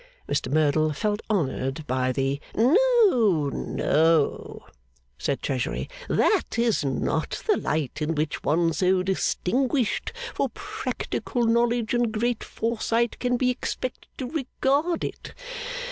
Mr Merdle felt honoured by the 'No, no,' said Treasury, 'that is not the light in which one so distinguished for practical knowledge and great foresight, can be expected to regard it.